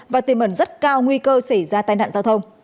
và tìm ẩn rất cao nguy cơ xảy ra tai nạn giao thông